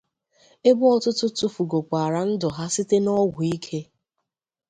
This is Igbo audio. ebe ọtụtụ tụfugokwàrà ndụ ha site n'ọgwụ ike